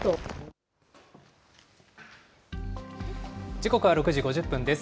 時刻は６時５０分です。